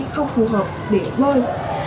không phù hợp để bơi